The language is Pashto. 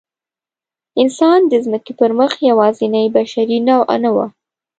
انسان د ځمکې پر مخ یواځینۍ بشري نوعه نه وه.